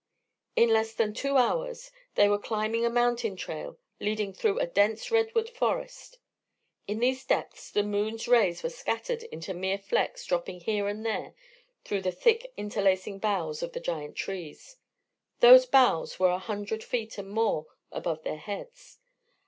In less than two hours they were climbing a mountain trail leading through a dense redwood forest. In these depths the moon's rays were scattered into mere flecks dropping here and there through the thick interlacing boughs of the giant trees. Those boughs were a hundred feet and more above their heads.